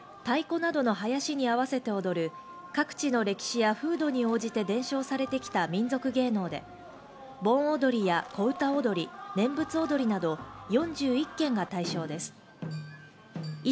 風流踊は歌や笛、太鼓などのはやしに合わせて踊る、各地の歴史や風土に応じて伝承されてきた民族芸能で、盆踊や小歌踊、念仏踊りなど４１件が対象です。